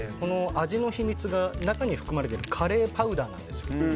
味の秘密が中に含まれているカレーパウダーなんですよ。